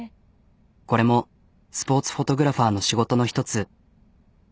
これもスポーツフォトグラファーの仕事の１つ。